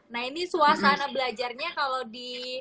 nah ini suasana belajarnya kalau di